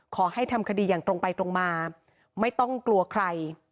ขอให้ทำคดีอย่างตรงไปตรงมาไม่ต้องกลัวใคร